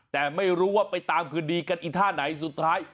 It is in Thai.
แต่ไม่รู้ว่าไปตามคืนดีกันอีท่าไหนสุดท้าย